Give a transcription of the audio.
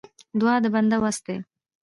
دعا د بنده وس دی.